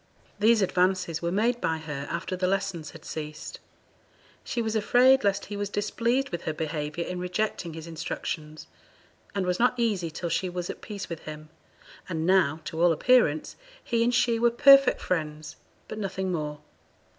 These advances were made by her after the lessons had ceased. She was afraid lest he was displeased with her behaviour in rejecting his instructions, and was not easy till she was at peace with him; and now, to all appearance, he and she were perfect friends, but nothing more.